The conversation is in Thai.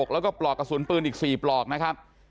แล้วก็ปลอกกระสุนปืนอีก๔ปลอกนะครับ